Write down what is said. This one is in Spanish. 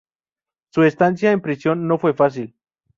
Su estancia en prisión no fue fácil.